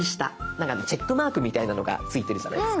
なんかチェックマークみたいなのがついてるじゃないですか。